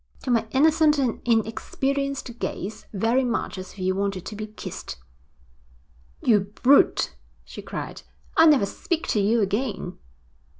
'To my innocent and inexperienced gaze very much as if you wanted to be kissed.' 'You brute!' she cried. 'I'll never speak to you again.'